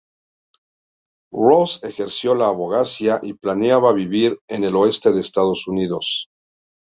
Ross ejerció la abogacía y planeaba vivir en el oeste de Estados Unidos.